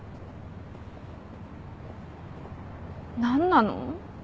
何なの。